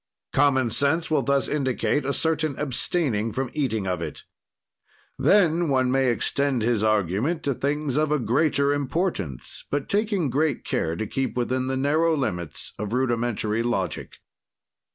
"Common sense will thus indicate a certain abstaining from eating of it. "Then one may extend his argument to things of a greater importance, but taking great care to keep within the narrow limits of rudimentary logic.